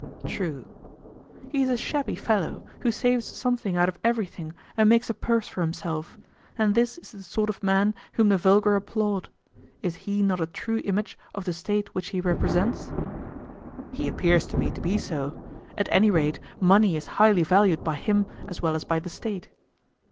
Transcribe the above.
True. He is a shabby fellow, who saves something out of everything and makes a purse for himself; and this is the sort of man whom the vulgar applaud. Is he not a true image of the State which he represents? He appears to me to be so; at any rate money is highly valued by him as well as by the State.